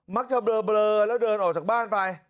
เบลอแล้วเดินออกจากบ้านไป